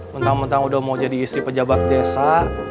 mentang mentang udah mau jadi istri pejabat desa